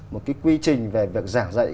một cái quy trình về việc giảng dạy